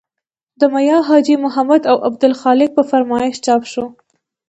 د میا حاجي محمد او عبدالخالق په فرمایش چاپ شو.